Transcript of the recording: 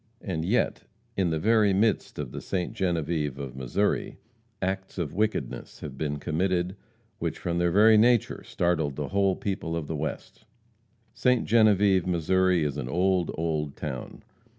And yet, in the very midst of the Ste. Genevieve of Missouri, acts of wickedness have been committed which from, their very nature, startled the whole people of the West. Ste. Genevieve, Missouri, is an old, old town.